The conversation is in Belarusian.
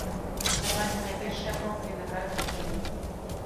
Закладзеная першая проба вінаградных вінаў.